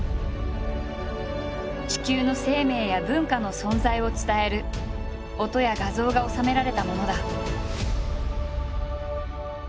地球の生命や文化の存在を伝える音や画像が収められたものだ。